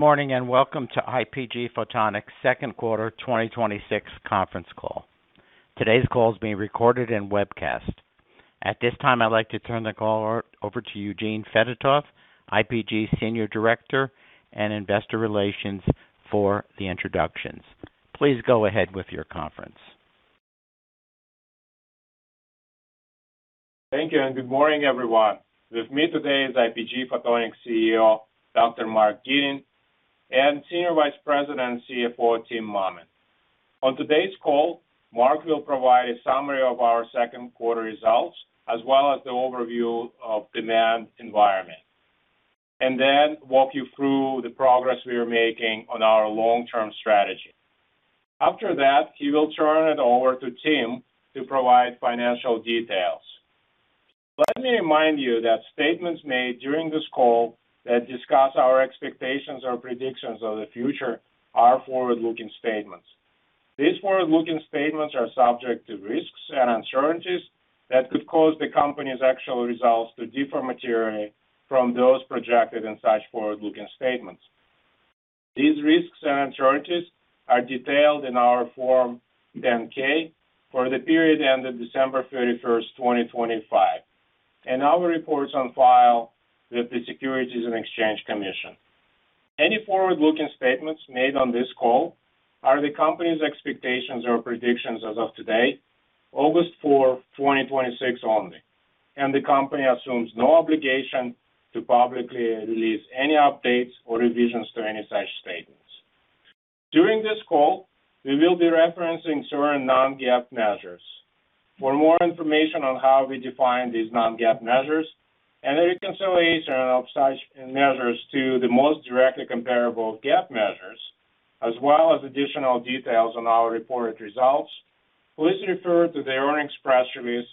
Morning, and welcome to IPG Photonics' second quarter 2026 conference call. Today's call is being recorded and webcast. At this time, I'd like to turn the call over to Eugene Fedotoff, IPG Senior Director and Investor Relations for the introductions. Please go ahead with your conference. Thank you, and good morning, everyone. With me today is IPG Photonics CEO, Dr. Mark Gitin, and Senior Vice President and CFO, Tim Mammen. On today's call, Mark will provide a summary of our second quarter results, as well as the overview of demand environment, and then walk you through the progress we are making on our long-term strategy. After that, he will turn it over to Tim to provide financial details. Let me remind you that statements made during this call that discuss our expectations or predictions of the future are forward-looking statements. These forward-looking statements are subject to risks and uncertainties that could cause the company's actual results to differ materially from those projected in such forward-looking statements. These risks and uncertainties are detailed in our Form 10-K for the period ended December 31st, 2025, and our reports on file with the Securities and Exchange Commission. Any forward-looking statements made on this call are the company's expectations or predictions as of today, August four, 2026 only, and the company assumes no obligation to publicly release any updates or revisions to any such statements. During this call, we will be referencing certain non-GAAP measures. For more information on how we define these non-GAAP measures and a reconciliation of such measures to the most directly comparable GAAP measures, as well as additional details on our reported results, please refer to the earnings press release,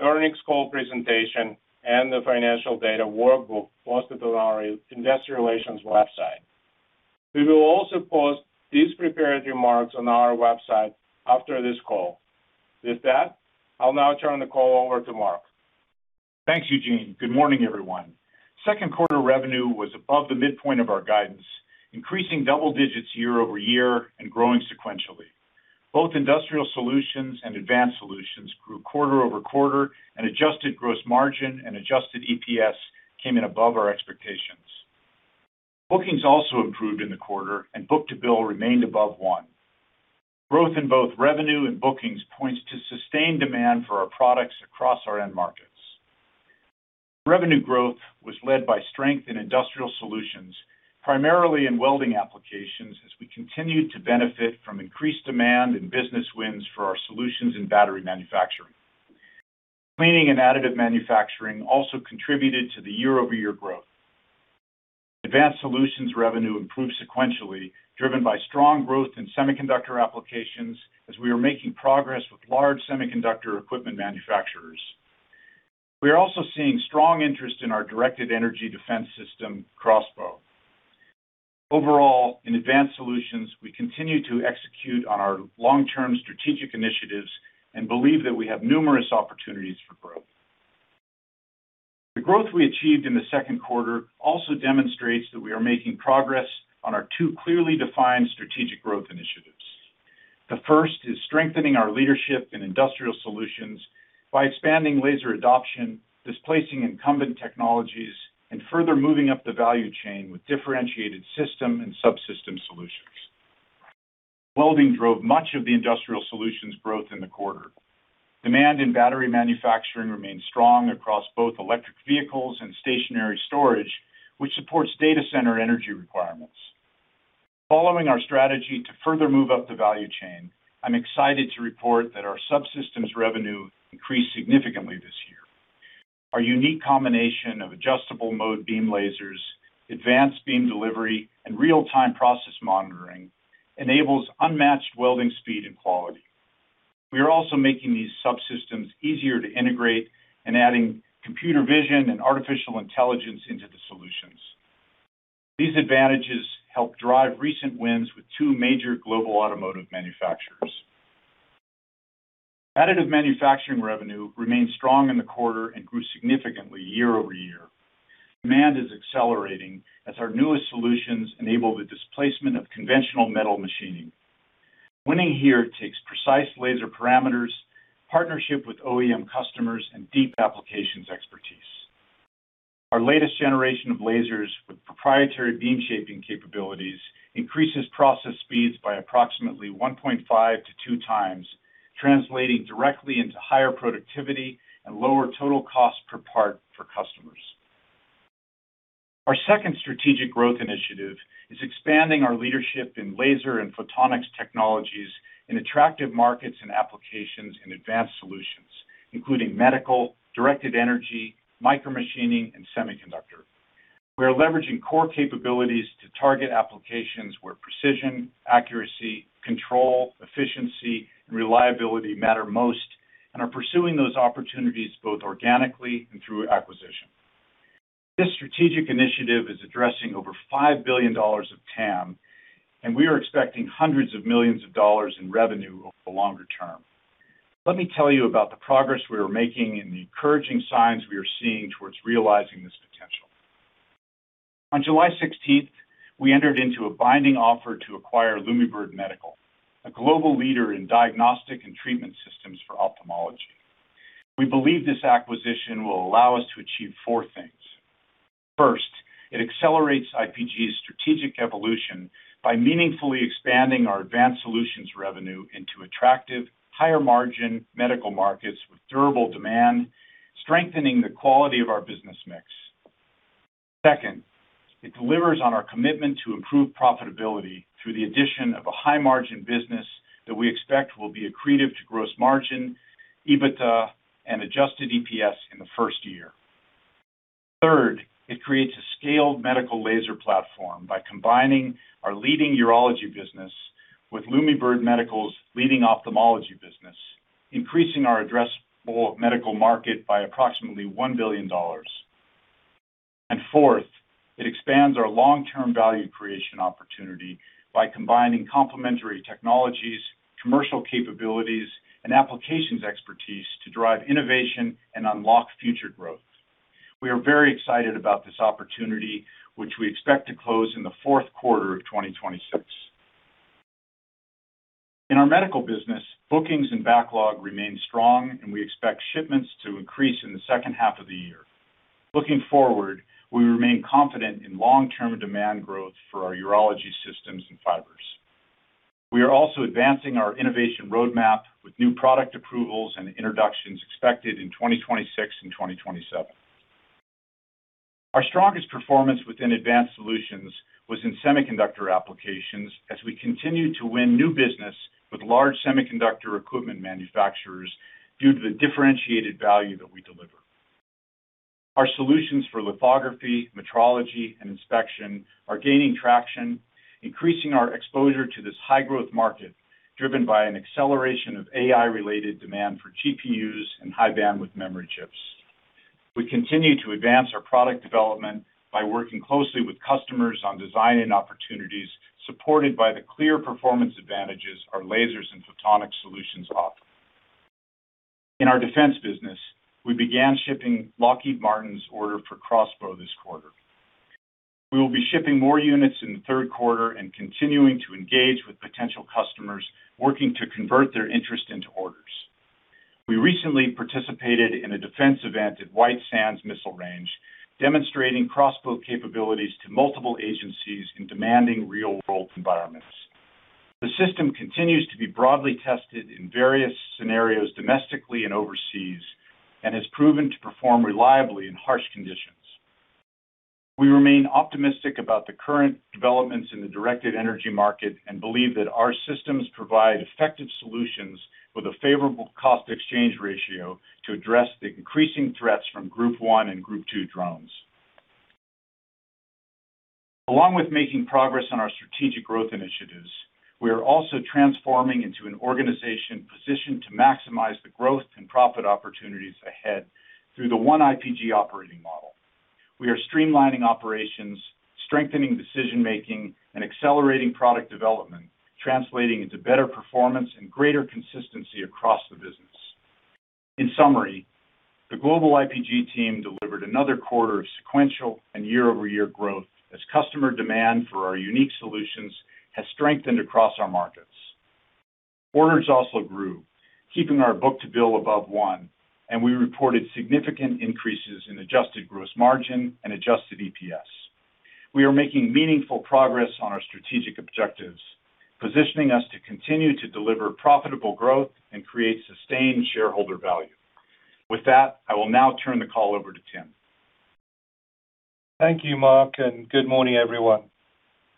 earnings call presentation, and the financial data workbook posted on our Investor Relations website. We will also post these prepared remarks on our website after this call. With that, I'll now turn the call over to Mark. Thanks, Eugene. Good morning, everyone. Second quarter revenue was above the midpoint of our guidance, increasing double digits year-over-year and growing sequentially. Both industrial solutions and advanced solutions grew quarter-over-quarter and adjusted gross margin and adjusted EPS came in above our expectations. Bookings also improved in the quarter, and book-to-bill remained above one. Growth in both revenue and bookings points to sustained demand for our products across our end markets. Revenue growth was led by strength in industrial solutions, primarily in welding applications, as we continued to benefit from increased demand and business wins for our solutions in battery manufacturing. Cleaning and additive manufacturing also contributed to the year-over-year growth. Advanced solutions revenue improved sequentially, driven by strong growth in semiconductor applications as we are making progress with large semiconductor equipment manufacturers. We are also seeing strong interest in our directed energy defense system, CROSSBOW. Overall, in advanced solutions, we continue to execute on our long-term strategic initiatives and believe that we have numerous opportunities for growth. The growth we achieved in the second quarter also demonstrates that we are making progress on our two clearly defined strategic growth initiatives. The first is strengthening our leadership in industrial solutions by expanding laser adoption, displacing incumbent technologies, and further moving up the value chain with differentiated system and subsystem solutions. Welding drove much of the industrial solutions growth in the quarter. Demand in battery manufacturing remains strong across both electric vehicles and stationary storage, which supports data center energy requirements. Following our strategy to further move up the value chain, I'm excited to report that our subsystems revenue increased significantly this year. Our unique combination of Adjustable Mode Beam lasers, advanced beam delivery, and real-time process monitoring enables unmatched welding speed and quality. We are also making these subsystems easier to integrate and adding computer vision and artificial intelligence into the solutions. These advantages help drive recent wins with two major global automotive manufacturers. Additive manufacturing revenue remained strong in the quarter and grew significantly year-over-year. Demand is accelerating as our newest solutions enable the displacement of conventional metal machining. Winning here takes precise laser parameters, partnership with OEM customers, and deep applications expertise. Our latest generation of lasers with proprietary beam shaping capabilities increases process speeds by approximately 1.5 to two times, translating directly into higher productivity and lower total cost per part for customers. Our second strategic growth initiative is expanding our leadership in laser and photonics technologies in attractive markets and applications in advanced solutions, including medical, directed energy, micromachining, and semiconductor. We are leveraging core capabilities to target applications where precision, accuracy, control, efficiency, and reliability matter most and are pursuing those opportunities both organically and through acquisition. This strategic initiative is addressing over $5 billion of TAM. We are expecting hundreds of millions of dollars in revenue over the longer term. Let me tell you about the progress we are making and the encouraging signs we are seeing towards realizing this potential. On July 16th, we entered into a binding offer to acquire Lumibird Medical, a global leader in diagnostic and treatment systems for ophthalmology. We believe this acquisition will allow us to achieve four things. First, it accelerates IPG's strategic evolution by meaningfully expanding our advanced solutions revenue into attractive higher-margin medical markets with durable demand, strengthening the quality of our business mix. Second, it delivers on our commitment to improve profitability through the addition of a high-margin business that we expect will be accretive to gross margin, EBITDA, and adjusted EPS in the first year. Third, it creates a scaled medical laser platform by combining our leading urology business with Lumibird Medical's leading ophthalmology business, increasing our addressable medical market by approximately $1 billion. Fourth, it expands our long-term value creation opportunity by combining complementary technologies, commercial capabilities, and applications expertise to drive innovation and unlock future growth. We are very excited about this opportunity, which we expect to close in the fourth quarter of 2026. In our medical business, bookings and backlog remain strong, and we expect shipments to increase in the second half of the year. Looking forward, we remain confident in long-term demand growth for our urology systems and fibers. We are also advancing our innovation roadmap with new product approvals and introductions expected in 2026 and 2027. Our strongest performance within Advanced Solutions was in semiconductor applications, as we continued to win new business with large semiconductor equipment manufacturers due to the differentiated value that we deliver. Our solutions for lithography, metrology, and inspection are gaining traction, increasing our exposure to this high-growth market, driven by an acceleration of AI-related demand for GPUs and high-bandwidth memory chips. We continue to advance our product development by working closely with customers on design and opportunities, supported by the clear performance advantages our lasers and photonic solutions offer. In our defense business, we began shipping Lockheed Martin's order for CROSSBOW this quarter. We will be shipping more units in the third quarter and continuing to engage with potential customers working to convert their interest into orders. We recently participated in a defense event at White Sands Missile Range, demonstrating CROSSBOW capabilities to multiple agencies in demanding real-world environments. The system continues to be broadly tested in various scenarios domestically and overseas and has proven to perform reliably in harsh conditions. We remain optimistic about the current developments in the directed energy market and believe that our systems provide effective solutions with a favorable cost exchange ratio to address the increasing threats from Group 1 and Group 2 drones. We are also transforming into an organization positioned to maximize the growth and profit opportunities ahead through the One-IPG operating model. We are streamlining operations, strengthening decision-making, and accelerating product development, translating into better performance and greater consistency across the business. In summary, the global IPG team delivered another quarter of sequential and year-over-year growth as customer demand for our unique solutions has strengthened across our markets. Orders also grew, keeping our book-to-bill above one, and we reported significant increases in adjusted gross margin and adjusted EPS. We are making meaningful progress on our strategic objectives, positioning us to continue to deliver profitable growth and create sustained shareholder value. With that, I will now turn the call over to Tim. Thank you, Mark, and good morning, everyone.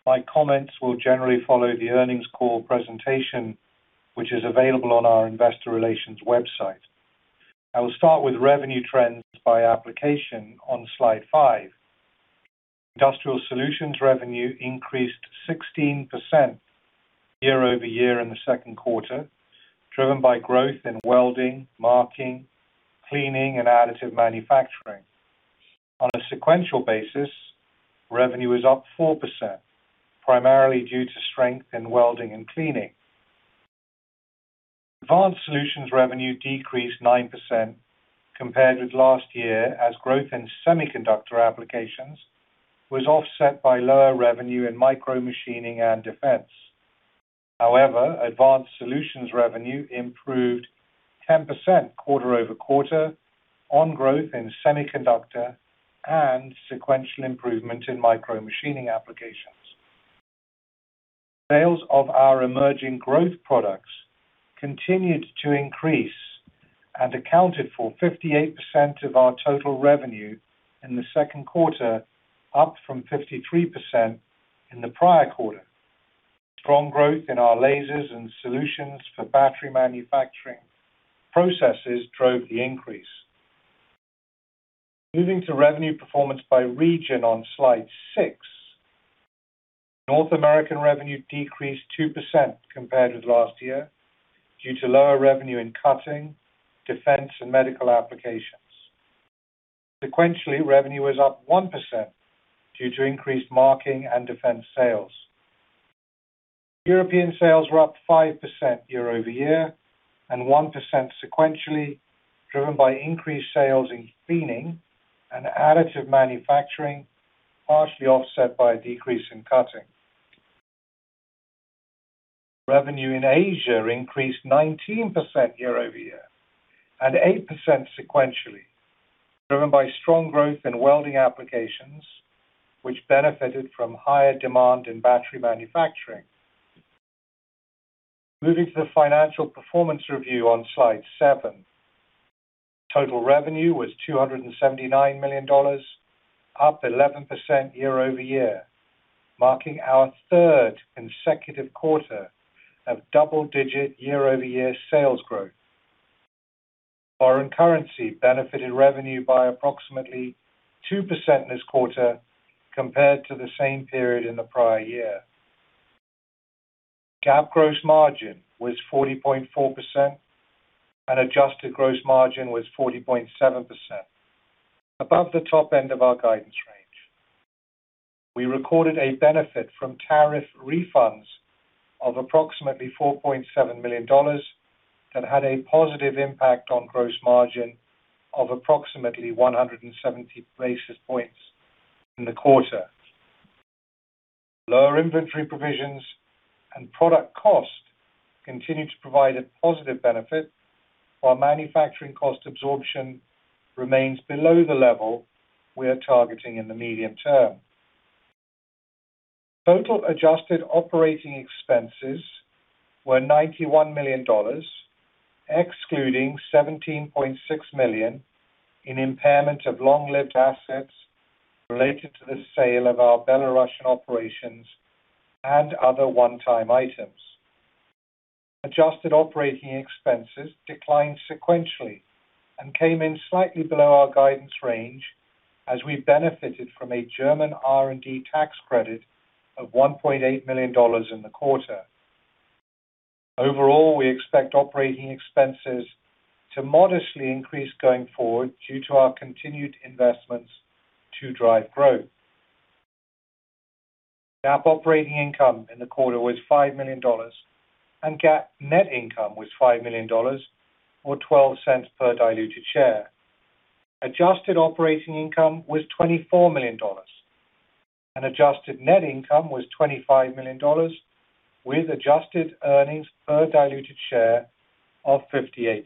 My comments will generally follow the earnings call presentation, which is available on our investor relations website. I will start with revenue trends by application on slide five. Industrial solutions revenue increased 16% year-over-year in the second quarter, driven by growth in welding, marking, cleaning, and additive manufacturing. On a sequential basis, revenue is up 4%, primarily due to strength in welding and cleaning. Advanced solutions revenue decreased 9% compared with last year, as growth in semiconductor applications was offset by lower revenue in micromachining and defense. Advanced solutions revenue improved 10% quarter-over-quarter on growth in semiconductor and sequential improvement in micromachining applications. Sales of our emerging growth products continued to increase and accounted for 58% of our total revenue in the second quarter, up from 53% in the prior quarter. Strong growth in our lasers and solutions for battery manufacturing processes drove the increase. Moving to revenue performance by region on slide six. North American revenue decreased 2% compared with last year due to lower revenue in cutting, defense, and medical applications. Sequentially, revenue was up 1% due to increased marking and defense sales. European sales were up 5% year-over-year and 1% sequentially, driven by increased sales in cleaning and additive manufacturing, partially offset by a decrease in cutting. Revenue in Asia increased 19% year-over-year and 8% sequentially, driven by strong growth in welding applications, which benefited from higher demand in battery manufacturing. Moving to the financial performance review on slide seven. Total revenue was $279 million, up 11% year-over-year, marking our third consecutive quarter of double-digit year-over-year sales growth. Foreign currency benefited revenue by approximately 2% this quarter compared to the same period in the prior year. GAAP gross margin was 40.4%, and adjusted gross margin was 40.7%, above the top end of our guidance range. We recorded a benefit from tariff refunds of approximately $4.7 million that had a positive impact on gross margin of approximately 170 basis points in the quarter. Lower inventory provisions and product cost continued to provide a positive benefit, while manufacturing cost absorption remains below the level we are targeting in the medium term. Total adjusted operating expenses were $91 million, excluding $17.6 million in impairment of long-lived assets related to the sale of our Belarusian operations and other one-time items. Adjusted operating expenses declined sequentially and came in slightly below our guidance range as we benefited from a German R&D tax credit of $1.8 million in the quarter. Overall, we expect operating expenses to modestly increase going forward due to our continued investments to drive growth. GAAP operating income in the quarter was $5 million, and GAAP net income was $5 million, or $0.12 per diluted share. Adjusted operating income was $24 million and adjusted net income was $25 million, with adjusted earnings per diluted share of $0.58.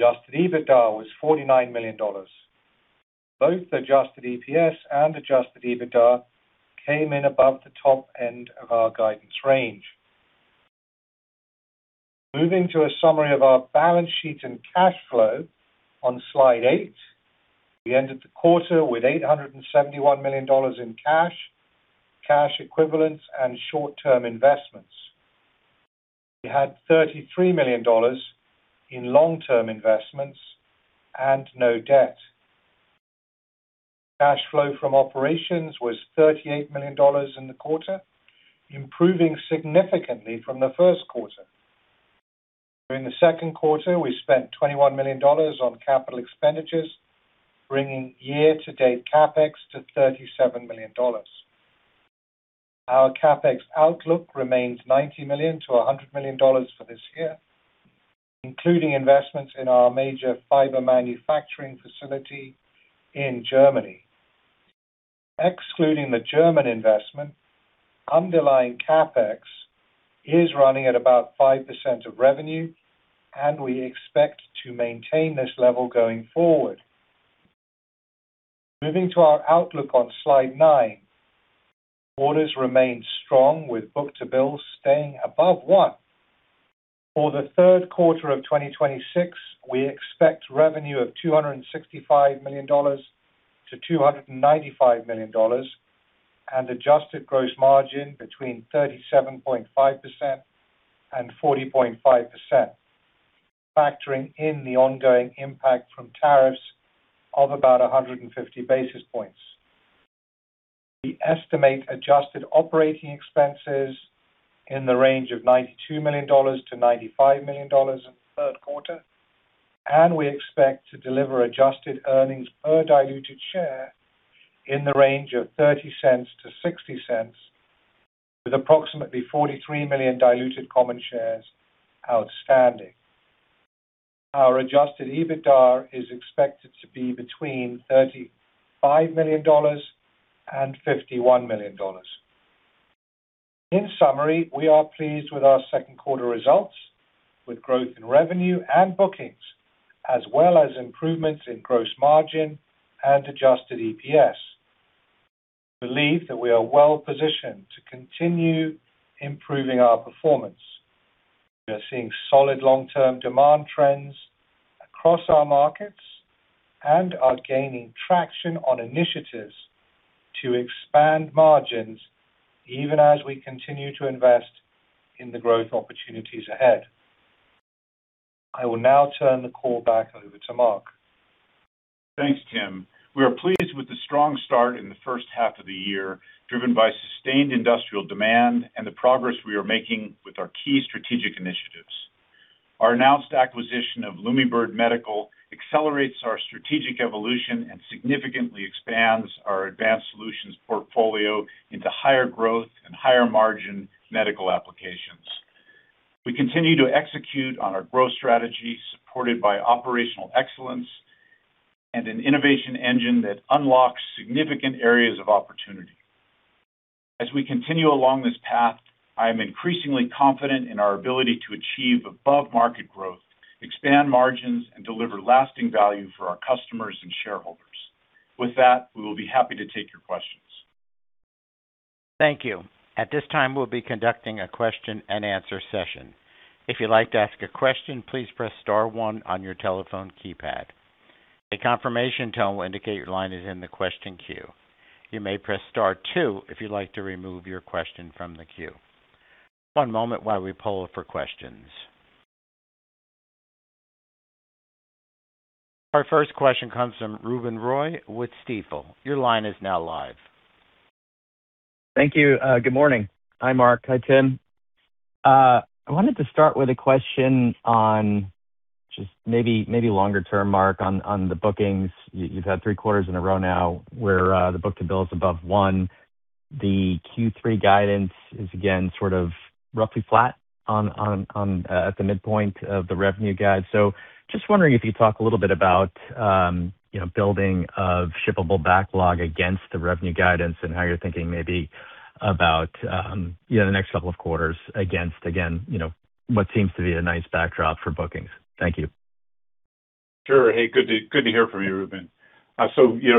Adjusted EBITDA was $49 million. Both adjusted EPS and adjusted EBITDA came in above the top end of our guidance range. Moving to a summary of our balance sheet and cash flow on slide eight. We ended the quarter with $871 million in cash equivalents, and short-term investments. We had $33 million in long-term investments and no debt. Cash flow from operations was $38 million in the quarter, improving significantly from the first quarter. During the second quarter, we spent $21 million on capital expenditures, bringing year-to-date CapEx to $37 million. Our CapEx outlook remains $90 million-$100 million for this year, including investments in our major fiber manufacturing facility in Germany. Excluding the German investment, underlying CapEx is running at about 5% of revenue, and we expect to maintain this level going forward. Moving to our outlook on slide nine. Orders remain strong with book-to-bill staying above one. For the third quarter of 2026, we expect revenue of $265 million-$295 million and adjusted gross margin between 37.5% and 40.5%, factoring in the ongoing impact from tariffs of about 150 basis points. We estimate adjusted operating expenses in the range of $92 million-$95 million in the third quarter, and we expect to deliver adjusted earnings per diluted share in the range of $0.30-$0.60 with approximately 43 million diluted common shares outstanding. Our adjusted EBITDA is expected to be between $35 million and $51 million. In summary, we are pleased with our second quarter results with growth in revenue and bookings, as well as improvements in gross margin and adjusted EPS. We believe that we are well positioned to continue improving our performance. We are seeing solid long-term demand trends across our markets and are gaining traction on initiatives to expand margins even as we continue to invest in the growth opportunities ahead. I will now turn the call back over to Mark. Thanks, Tim. We are pleased with the strong start in the first half of the year, driven by sustained industrial demand and the progress we are making with our key strategic initiatives. Our announced acquisition of Lumibird Medical accelerates our strategic evolution and significantly expands our advanced solutions portfolio into higher growth and higher margin medical applications. We continue to execute on our growth strategy, supported by operational excellence and an innovation engine that unlocks significant areas of opportunity. As we continue along this path, I am increasingly confident in our ability to achieve above-market growth, expand margins, and deliver lasting value for our customers and shareholders. With that, we will be happy to take your questions. Thank you. At this time, we'll be conducting a question and answer session. If you'd like to ask a question, please press star one on your telephone keypad. A confirmation tone will indicate your line is in the question queue. You may press star two if you'd like to remove your question from the queue. One moment while we poll for questions. Our first question comes from Ruben Roy with Stifel. Your line is now live. Thank you. Good morning. Hi, Mark. Hi, Tim. I wanted to start with a question on just maybe longer term, Mark, on the bookings. You've had three quarters in a row now where the book-to-bill is above one. The Q3 guidance is, again, sort of roughly flat at the midpoint of the revenue guide. Just wondering if you could talk a little bit about building a shippable backlog against the revenue guidance and how you're thinking maybe about the next couple of quarters against, again, what seems to be a nice backdrop for bookings. Thank you. Hey, good to hear from you, Ruben.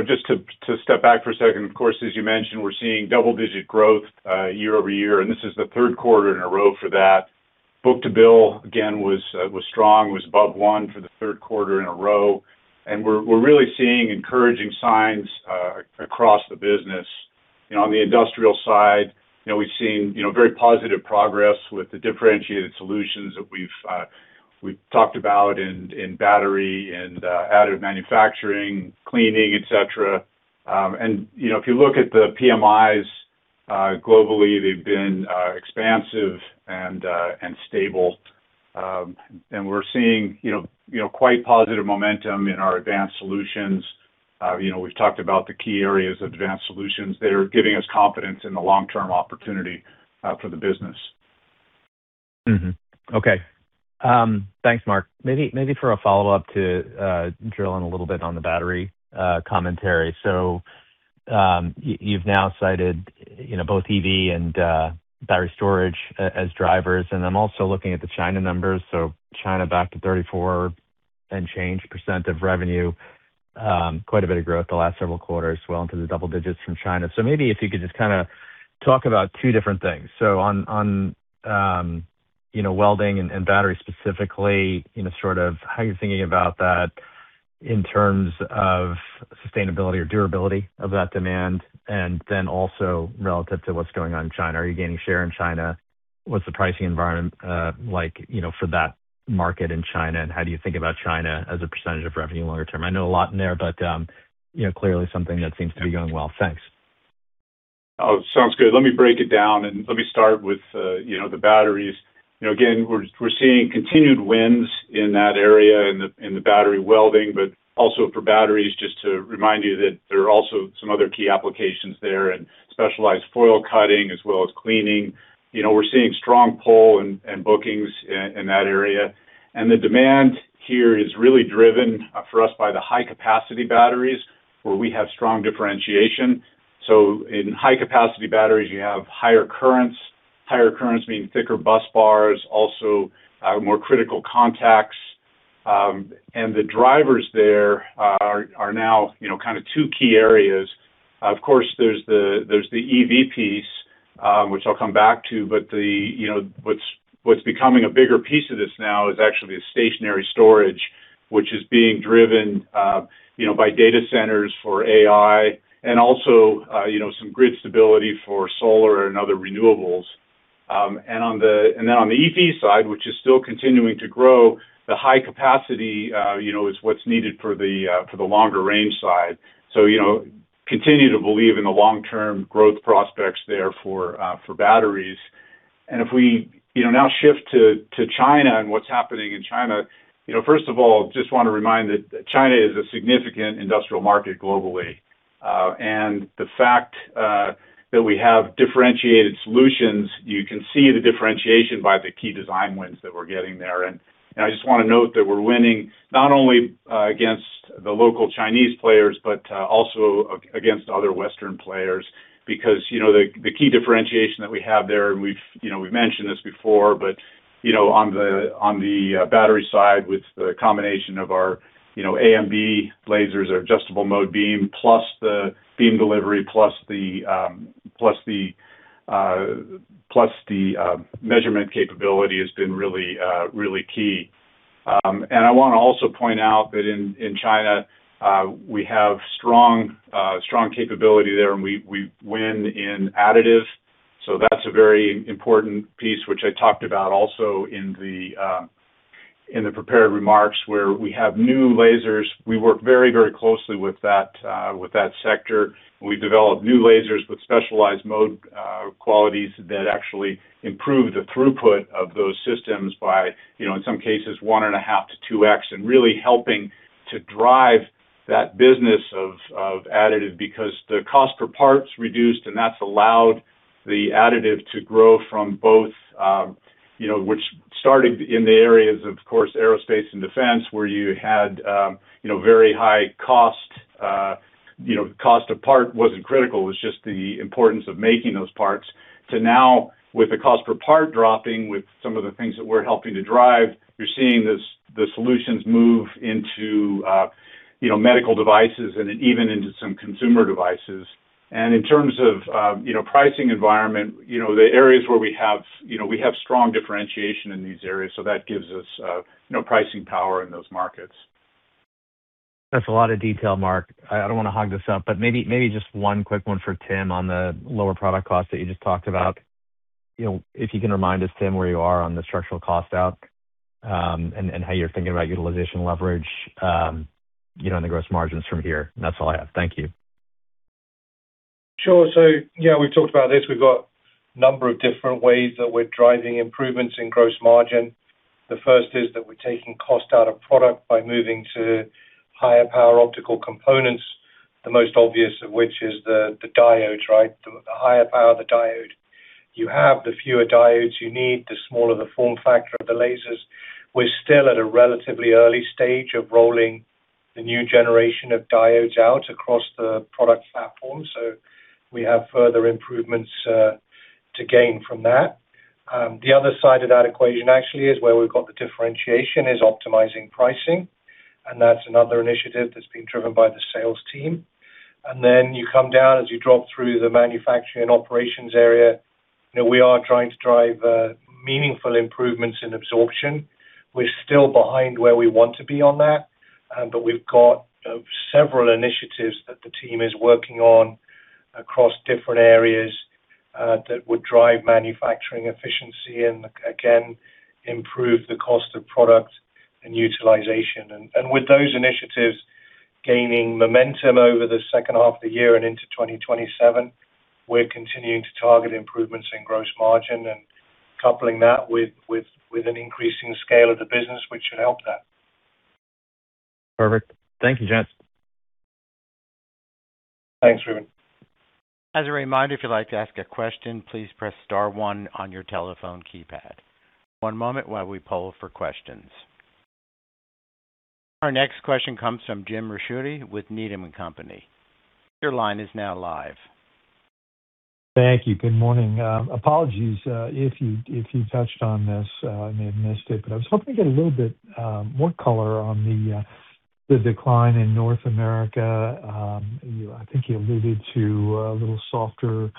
Just to step back for a second, of course, as you mentioned, we're seeing double-digit growth year-over-year, and this is the third quarter in a row for that. Book-to-bill, again, was strong, was above one for the third quarter in a row, and we're really seeing encouraging signs across the business. On the industrial side, we've seen very positive progress with the differentiated solutions that we've talked about in battery and additive manufacturing, cleaning, et cetera. If you look at the PMIs globally, they've been expansive and stable. We're seeing quite positive momentum in our advanced solutions. We've talked about the key areas of advanced solutions that are giving us confidence in the long-term opportunity for the business. Okay. Thanks, Mark. Maybe for a follow-up to drill in a little bit on the battery commentary. You've now cited both EV and battery storage as drivers, and I'm also looking at the China numbers. China back to 34% and change of revenue. Quite a bit of growth the last several quarters, well into the double digits from China. Maybe if you could just kind of talk about two different things. On welding and battery specifically, how are you thinking about that in terms of sustainability or durability of that demand? Then also relative to what's going on in China, are you gaining share in China? What's the pricing environment like for that market in China, and how do you think about China as a percentage of revenue longer term? I know a lot in there, clearly something that seems to be going well. Thanks. Sounds good. Let me break it down. Let me start with the batteries. Again, we're seeing continued wins in that area, in the battery welding, also for batteries, just to remind you that there are also some other key applications there, specialized foil cutting as well as cleaning. We're seeing strong pull and bookings in that area. The demand here is really driven for us by the high-capacity batteries, where we have strong differentiation. In high-capacity batteries, you have higher currents. Higher currents mean thicker bus bars, also more critical contacts. The drivers there are now kind of two key areas. There's the EV piece, which I'll come back to, but what's becoming a bigger piece of this now is actually the stationary storage, which is being driven by data centers for AI and also some grid stability for solar and other renewables. On the EV side, which is still continuing to grow, the high capacity is what's needed for the longer range side. Continue to believe in the long-term growth prospects there for batteries. If we now shift to China and what's happening in China, first of all, just want to remind that China is a significant industrial market globally. The fact that we have differentiated solutions, you can see the differentiation by the key design wins that we're getting there. I just want to note that we're winning not only against the local Chinese players, but also against other Western players. The key differentiation that we have there, and we've mentioned this before, but on the battery side, with the combination of our AMB lasers, our Adjustable Mode Beam, plus the beam delivery, plus the measurement capability has been really key. I want to also point out that in China, we have strong capability there, and we win in additive. That's a very important piece, which I talked about also in the prepared remarks, where we have new lasers. We work very closely with that sector. We develop new lasers with specialized mode qualities that actually improve the throughput of those systems by, in some cases, one and a half to 2x, really helping to drive that business of additive because the cost per part's reduced, that's allowed the additive to grow from both, which started in the areas, of course, aerospace and defense, where you had very high cost. Cost of part wasn't critical, it was just the importance of making those parts to now with the cost per part dropping with some of the things that we're helping to drive, you're seeing the solutions move into medical devices and even into some consumer devices. In terms of pricing environment, the areas where we have strong differentiation in these areas, that gives us pricing power in those markets. That's a lot of detail, Mark. I don't want to hog this up, maybe just one quick one for Tim on the lower product cost that you just talked about. If you can remind us, Tim, where you are on the structural cost out, and how you're thinking about utilization leverage, and the gross margins from here. That's all I have. Thank you. Sure. Yeah, we've talked about this. We've got a number of different ways that we're driving improvements in gross margin. The first is that we're taking cost out of product by moving to higher power optical components, the most obvious of which is the diodes, right? The higher power the diode you have, the fewer diodes you need, the smaller the form factor of the lasers. We're still at a relatively early stage of rolling the new generation of diodes out across the product platform, we have further improvements to gain from that. The other side of that equation actually is where we've got the differentiation is optimizing pricing, and that's another initiative that's being driven by the sales team. Then you come down as you drop through the manufacturing operations area. We are trying to drive meaningful improvements in absorption. We're still behind where we want to be on that, we've got several initiatives that the team is working on across different areas, that would drive manufacturing efficiency and again, improve the cost of product and utilization. With those initiatives gaining momentum over the second half of the year and into 2027, we're continuing to target improvements in gross margin and coupling that with an increasing scale of the business, which should help that. Perfect. Thank you, gents. Thanks, Ruben. As a reminder, if you'd like to ask a question, please press star one on your telephone keypad. One moment while we poll for questions. Our next question comes from Jim Ricchiuti with Needham & Company. Your line is now live. Thank you. Good morning. Apologies, if you touched on this, I may have missed it, but I was hoping to get a little bit more color on the decline in North America. I think you alluded to a little softer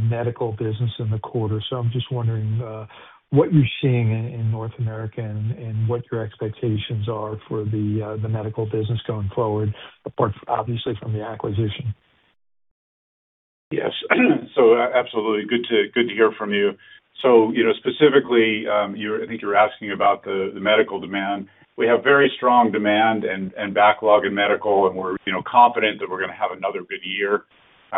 medical business in the quarter. I'm just wondering what you're seeing in North America and what your expectations are for the medical business going forward, apart, obviously, from the acquisition. Yes. Absolutely. Good to hear from you. Specifically, I think you're asking about the medical demand. We have very strong demand and backlog in medical, and we're confident that we're going to have another good year.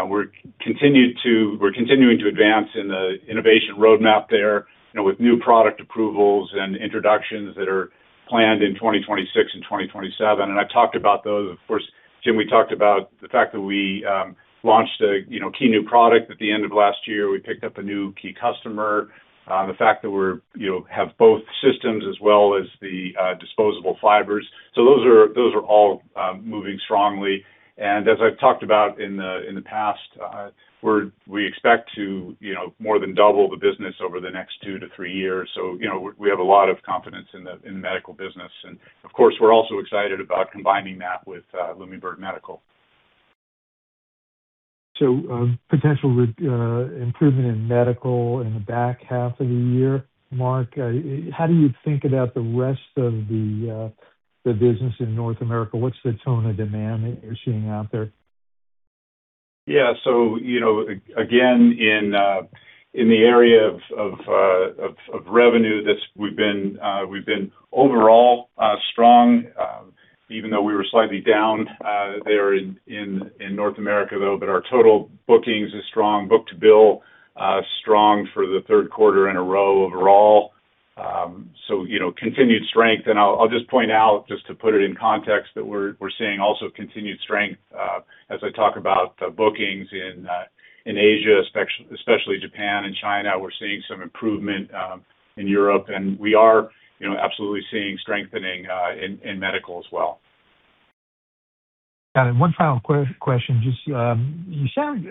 We're continuing to advance in the innovation roadmap there with new product approvals and introductions that are planned in 2026 and 2027. I've talked about those. Of course, Jim, we talked about the fact that we launched a key new product at the end of last year. We picked up a new key customer. The fact that we have both systems as well as the disposable fibers. Those are all moving strongly. As I've talked about in the past, we expect to more than double the business over the next two to three years. We have a lot of confidence in the medical business. Of course, we're also excited about combining that with Lumibird Medical. Potential improvement in medical in the back half of the year. Mark, how do you think about the rest of the business in North America? What's the tone of demand that you're seeing out there? Yeah. Again, in the area of revenue, we've been overall strong. Even though we were slightly down there in North America, though. Our total bookings is strong. Book-to-bill, strong for the third quarter in a row overall. Continued strength. I'll just point out, just to put it in context, that we're seeing also continued strength as I talk about bookings in Asia, especially Japan and China. We're seeing some improvement in Europe, and we are absolutely seeing strengthening in medical as well. Got it. One final question. Just you sound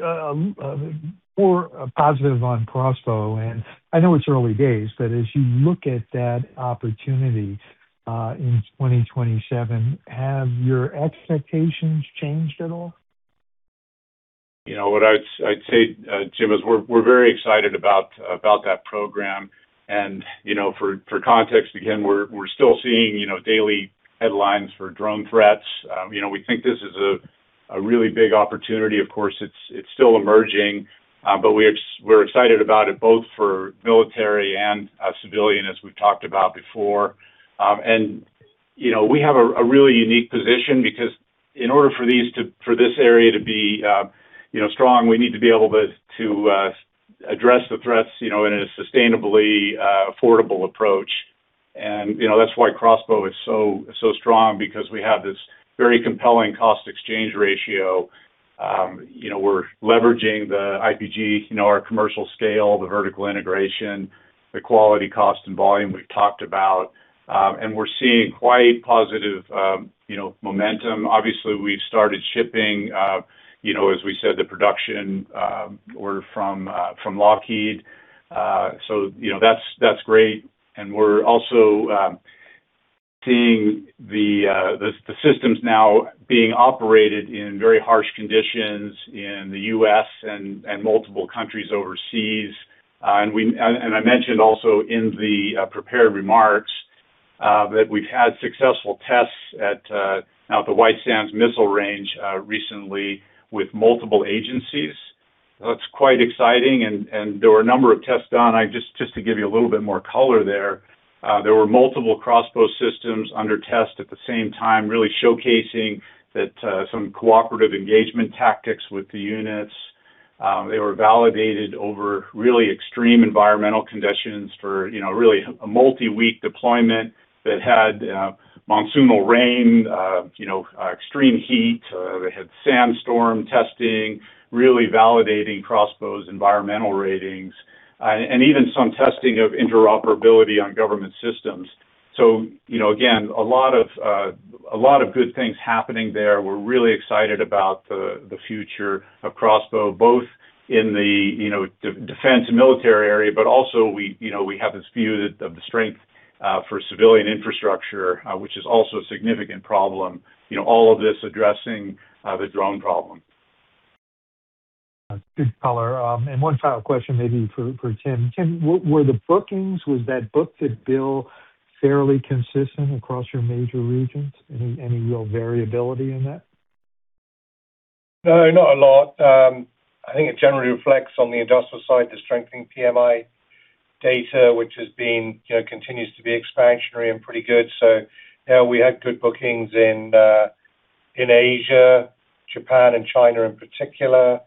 more positive on CROSSBOW, and I know it's early days, but as you look at that opportunity, in 2027, have your expectations changed at all? What I'd say, Jim, is we're very excited about that program. For context, again, we're still seeing daily headlines for drone threats. We think this is a really big opportunity. Of course, it's still emerging, but we're excited about it both for military and civilian, as we've talked about before. We have a really unique position because in order for this area to be strong, we need to be able to address the threats in a sustainably affordable approach. That's why CROSSBOW is so strong because we have this very compelling cost exchange ratio. We're leveraging the IPG, our commercial scale, the vertical integration, the quality, cost, and volume we've talked about. We're seeing quite positive momentum. Obviously, we've started shipping, as we said, the production order from Lockheed. That's great. We're also seeing the systems now being operated in very harsh conditions in the U.S. and multiple countries overseas. I mentioned also in the prepared remarks, that we've had successful tests at the White Sands Missile Range recently with multiple agencies. That's quite exciting. There were a number of tests done. Just to give you a little bit more color there were multiple CROSSBOW systems under test at the same time really showcasing some cooperative engagement tactics with the units. They were validated over really extreme environmental conditions for really a multi-week deployment that had monsoonal rain, extreme heat. They had sandstorm testing, really validating CROSSBOW's environmental ratings. Even some testing of interoperability on government systems. Again, a lot of good things happening there. We're really excited about the future of CROSSBOW both in the defense and military area. Also we have this view of the strength for civilian infrastructure, which is also a significant problem. All of this addressing the drone problem. Good color. One final question maybe for Tim. Tim, were the bookings, was that book-to-bill fairly consistent across your major regions? Any real variability in that? No, not a lot. I think it generally reflects on the industrial side, the strengthening PMI data, which continues to be expansionary and pretty good. Yeah, we had good bookings in Asia, Japan and China in particular.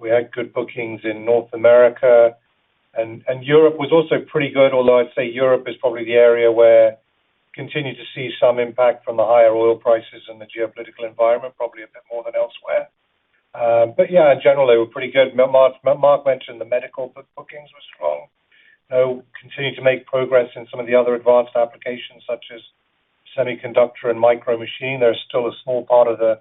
We had good bookings in North America. Europe was also pretty good, although I'd say Europe is probably the area where we continue to see some impact from the higher oil prices and the geopolitical environment, probably a bit more than elsewhere. Yeah, in general, they were pretty good. Mark mentioned the medical bookings were strong. Continue to make progress in some of the other advanced applications such as semiconductor and micromachine. They're still a small part of the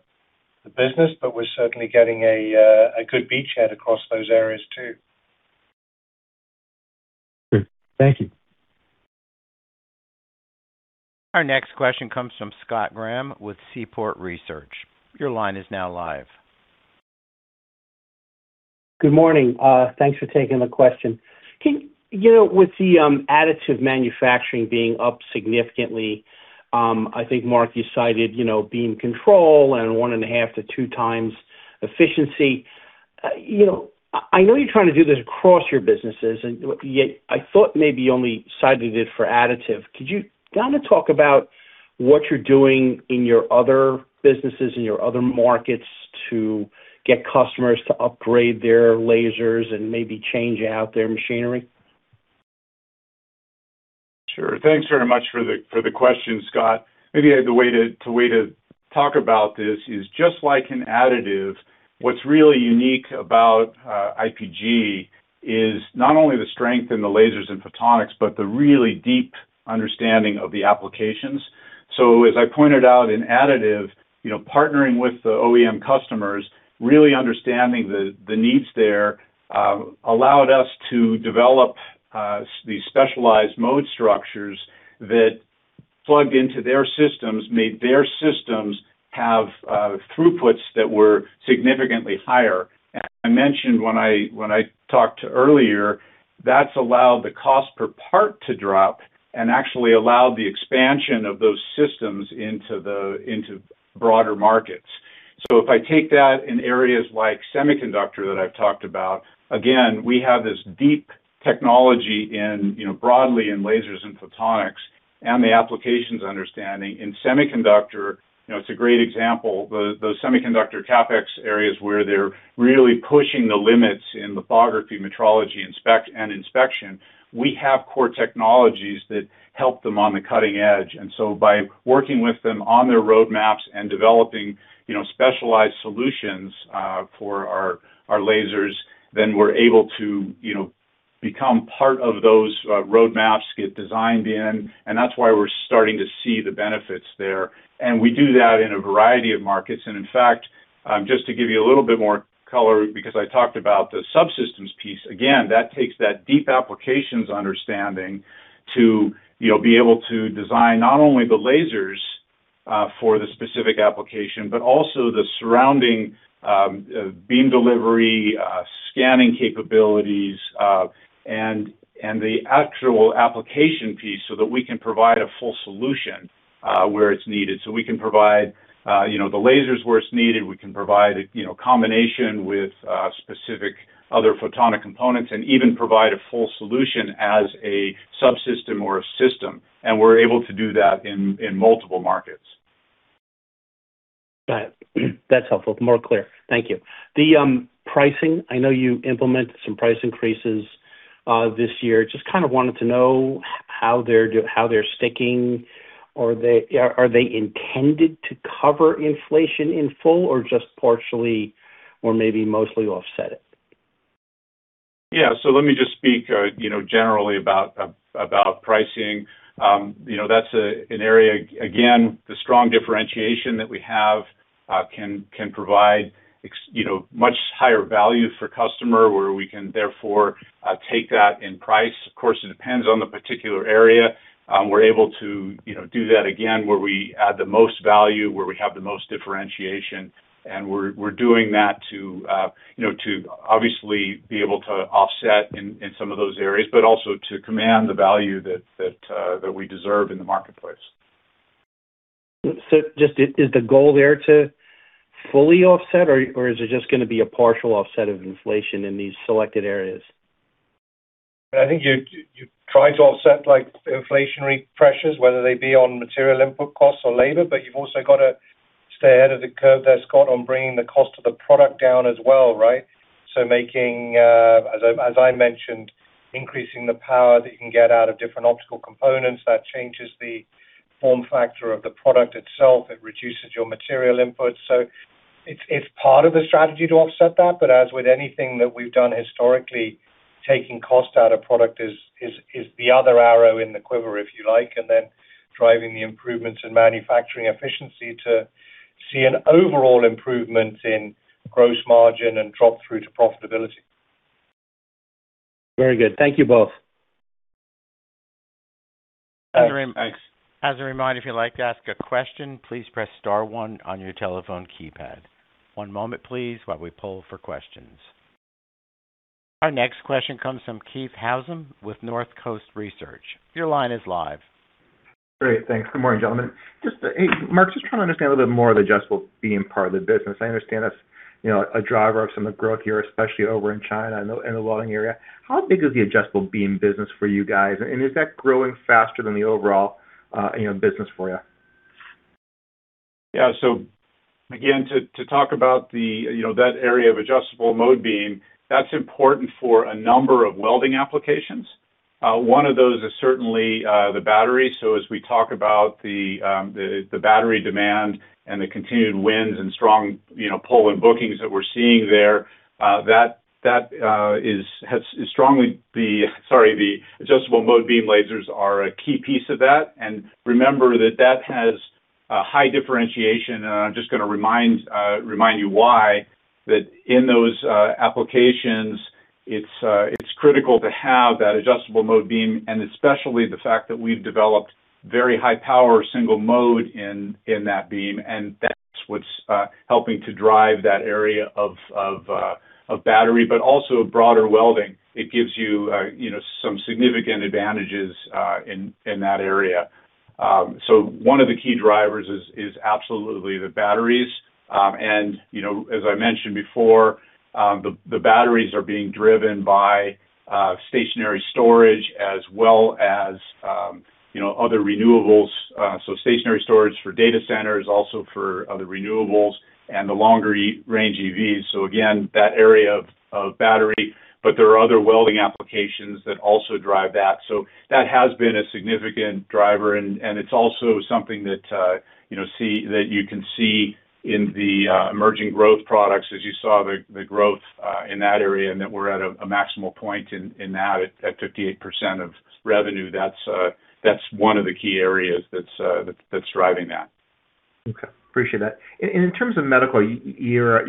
business, but we're certainly getting a good beachhead across those areas too. Good. Thank you. Our next question comes from Scott Graham with Seaport Research. Your line is now live. Good morning. Thanks for taking the question. With the additive manufacturing being up significantly, I think Mark, you cited beam control and one and a half to two times efficiency. I know you're trying to do this across your businesses, yet I thought maybe you only cited it for additive. Could you kind of talk about what you're doing in your other businesses, in your other markets to get customers to upgrade their lasers and maybe change out their machinery? Sure. Thanks very much for the question, Scott. Maybe the way to talk about this is just like in additive, what's really unique about IPG is not only the strength in the lasers and photonics, but the really deep understanding of the applications. As I pointed out in additive, partnering with the OEM customers, really understanding the needs there, allowed us to develop these specialized mode structures that plugged into their systems, made their systems have throughputs that were significantly higher. I mentioned when I talked earlier, that's allowed the cost per part to drop and actually allowed the expansion of those systems into broader markets. If I take that in areas like semiconductor that I've talked about, again, we have this deep technology broadly in lasers and photonics and the applications understanding. In semiconductor, it's a great example, those semiconductor CapEx areas where they're really pushing the limits in lithography, metrology, and inspection. We have core technologies that help them on the cutting edge. By working with them on their roadmaps and developing specialized solutions for our lasers, then we're able to become part of those roadmaps, get designed in, and that's why we're starting to see the benefits there. We do that in a variety of markets. In fact, just to give you a little bit more color, because I talked about the subsystems piece, again, that takes that deep applications understanding to be able to design not only the lasers for the specific application, but also the surrounding beam delivery, scanning capabilities, and the actual application piece so that we can provide a full solution where it's needed. We can provide the lasers where it's needed. We can provide a combination with specific other photonic components and even provide a full solution as a subsystem or a system. We're able to do that in multiple markets. Got it. That's helpful. More clear. Thank you. The pricing, I know you implemented some price increases this year. Just kind of wanted to know how they're sticking. Are they intended to cover inflation in full or just partially, or maybe mostly offset it? Yeah. Let me just speak generally about pricing. That's an area, again, the strong differentiation that we have can provide much higher value for customer, where we can therefore take that in price. It depends on the particular area. We're able to do that again, where we add the most value, where we have the most differentiation, and we're doing that to obviously be able to offset in some of those areas, but also to command the value that we deserve in the marketplace. Just is the goal there to fully offset, or is it just going to be a partial offset of inflation in these selected areas? I think you try to offset inflationary pressures, whether they be on material input costs or labor, but you've also got to stay ahead of the curve there, Scott, on bringing the cost of the product down as well, right? Making, as I mentioned, increasing the power that you can get out of different optical components, that changes the form factor of the product itself. It reduces your material input. It's part of the strategy to offset that, but as with anything that we've done historically, taking cost out of product is the other arrow in the quiver, if you like, and then driving the improvements in manufacturing efficiency to see an overall improvement in gross margin and drop-through to profitability. Very good. Thank you both. Thanks. As a reminder, if you'd like to ask a question, please press star one on your telephone keypad. One moment, please, while we poll for questions. Our next question comes from Keith Housum with Northcoast Research. Your line is live. Great. Thanks. Good morning, gentlemen. Hey, Mark, just trying to understand a little bit more of the Adjustable Beam part of the business. I understand that's a driver of some of the growth here, especially over in China in the welding area. How big is the Adjustable Beam business for you guys, and is that growing faster than the overall business for you? Yeah. Again, to talk about that area of Adjustable Mode Beam, that's important for a number of welding applications. One of those is certainly the battery. As we talk about the battery demand and the continued wins and strong pull in bookings that we're seeing there, the Adjustable Mode Beam lasers are a key piece of that. Remember that that has a high differentiation, and I'm just going to remind you why, that in those applications it's critical to have that Adjustable Mode Beam and especially the fact that we've developed very high power single mode in that beam, and that's what's helping to drive that area of battery, but also broader welding. It gives you some significant advantages in that area. One of the key drivers is absolutely the batteries. As I mentioned before, the batteries are being driven by stationary storage as well as other renewables. Stationary storage for data centers, also for other renewables and the longer-range EVs. Again, that area of battery. There are other welding applications that also drive that. That has been a significant driver, and it's also something that you can see in the emerging growth products as you saw the growth in that area, and that we're at a maximal point in that at 58% of revenue. That's one of the key areas that's driving that. Okay. Appreciate that. In terms of medical, your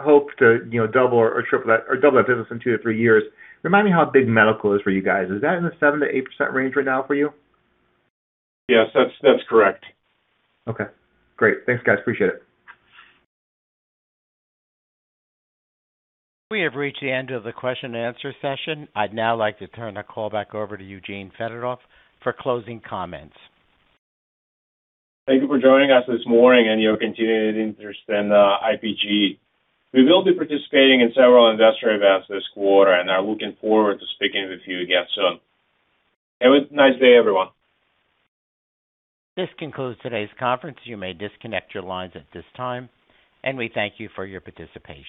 hope to double that business in two to three years, remind me how big medical is for you guys. Is that in the 7%-8% range right now for you? Yes, that's correct. Okay, great. Thanks, guys. Appreciate it. We have reached the end of the question and answer session. I'd now like to turn the call back over to Eugene Fedotoff for closing comments. Thank you for joining us this morning and your continuing interest in IPG. We will be participating in several investor events this quarter and are looking forward to speaking with you again soon. Have a nice day, everyone. This concludes today's conference. You may disconnect your lines at this time, and we thank you for your participation.